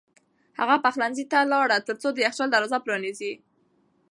هغه پخلنځي ته لاړ ترڅو د یخچال دروازه پرانیزي.